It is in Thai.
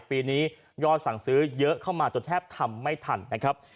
ปีนี้ยอดสั่งซื้อเยอะเข้ามาจนแทบทำไม่ทันนะครับ